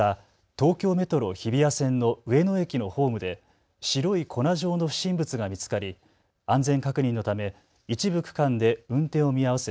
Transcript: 東京メトロ日比谷線の上野駅のホームで白い粉状の不審物が見つかり安全確認のため一部区間で運転を見合わせ